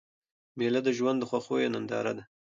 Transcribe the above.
مېله د ژوند د خوښیو ننداره ده.